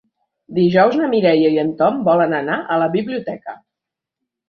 Dijous na Mireia i en Tom volen anar a la biblioteca.